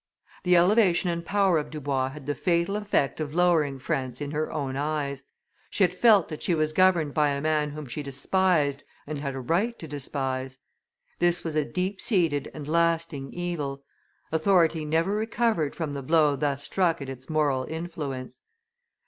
The elevation and power of Dubois had the fatal effect of lowering France in her own eyes; she had felt that she was governed by a man whom she despised, and had a right to despise; this was a deep seated and lasting evil; authority never recovered from the blow thus struck at its moral influence.